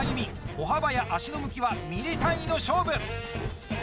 歩幅や足の向きはミリ単位の勝負！